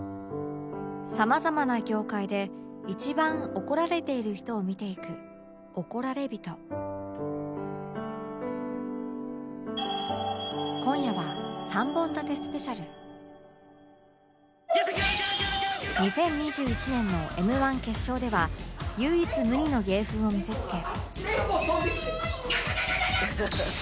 様々な業界で一番怒られている人を見ていく今夜は２０２１年の Ｍ−１ 決勝では唯一無二の芸風を見せつけ